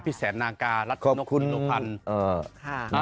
พี่แสนนาการัฐนกนิโลภันธ์